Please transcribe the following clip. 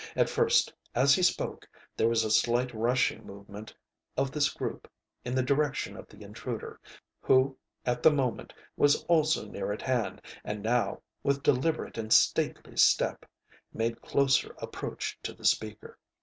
At first, as he spoke, there was a slight rushing movement of this group in the direction of the intruder, who at the moment was also near at hand, and now, with deliberate and stately step, made closer approach to the speaker.